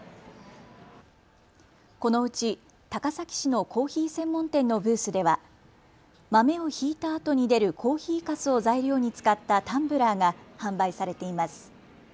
このうち高崎市のコーヒー専門店のブースでは豆をひいたあとに出るコーヒーかすを材料に使ったタンブラーが販売されています。